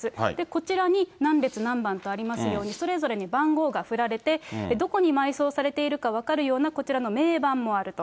こちらに何列何番とありますように、それぞれに番号がふられて、どこに埋葬されているか分かるようなこちらの銘板もあると。